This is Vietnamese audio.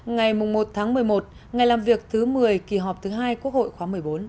ngày một tháng một mươi một ngày làm việc thứ một mươi kỳ họp thứ hai quốc hội khóa một mươi bốn